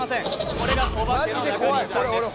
これがオバケの中西さんです